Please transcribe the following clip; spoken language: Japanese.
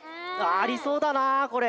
ありそうだなこれ。